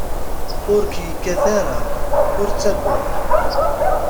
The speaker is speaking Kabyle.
Ur k-yekkat ara, ur ttaggad.